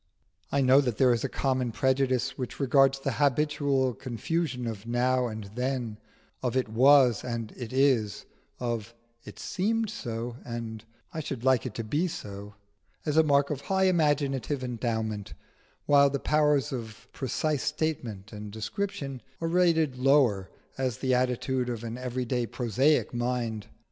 I know that there is a common prejudice which regards the habitual confusion of now and then, of it was and it is, of it seemed so and I should like it to be so, as a mark of high imaginative endowment, while the power of precise statement and description is rated lower, as the attitude of an everyday prosaic mind.